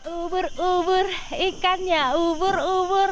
ubur ubur ikannya ubur ubur